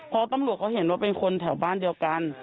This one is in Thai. เพราะตำรวจเขาเห็นว่าเป็นคนแถวบ้านเดียวกัน